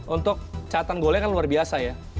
untuk catan golnya kan luar biasa ya